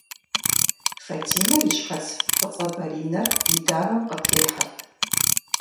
Фатимэ и щхьэц фӏыцӏэ бэринэр и дамэм къытехьэрт.